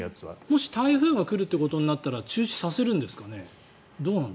もし台風が来るとなったら中止させるんですかね。